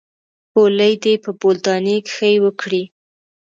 بولې دې په بولدانۍ کښې وکړې.